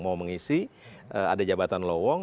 mau mengisi ada jabatan lowong